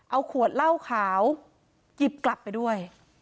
เอาขวดเหล้าขาวหยิบกลับไปด้วย